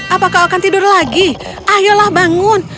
apakah kau akan tidur lagi ayolah bangun